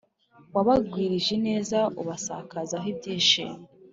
Wabagwirije ineza, ubasakazaho ibyishimo,